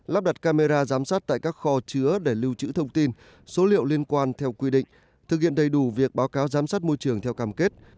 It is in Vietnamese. lắp đặt camera giám sát tại các kho chứa để lưu trữ thông tin số liệu liên quan theo quy định thực hiện đầy đủ việc báo cáo giám sát môi trường theo cam kết